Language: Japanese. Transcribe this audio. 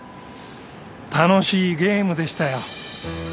楽しいゲームでしたよ。